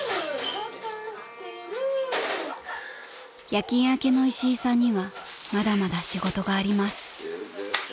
［夜勤明けの石井さんにはまだまだ仕事があります］